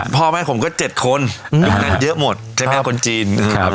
พ่อแม่ผมก็๗คนยุคนั้นเยอะหมดใช่ไหมคนจีน